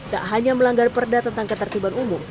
tak hanya melanggar perda tentang ketertiban umum